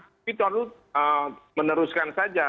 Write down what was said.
tapi kalau meneruskan saja